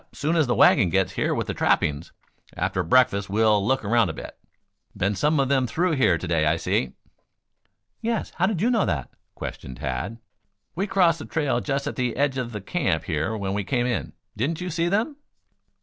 Soon as the wagon gets here with the trappings. After breakfast we'll look around a bit. Been some of them through here to day, I see." "Yes, how did you know that!" questioned Tad. "We crossed the trail just at the edge of the camp here when we came in. Didn't you see them?"